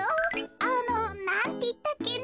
あのなんていったっけね。